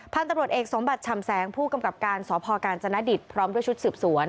พันธุ์ตำรวจเอกสมบัติฉ่ำแสงผู้กำกับการสพกาญจนดิตพร้อมด้วยชุดสืบสวน